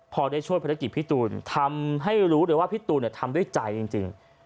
พอได้ช่วยภารกิจพี่ตูนทำให้รู้เลยว่าพี่ตูนทำด้วยใจจริง